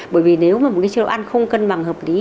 bởi vì nếu mà một cái chế độ ăn không cân bằng hợp lý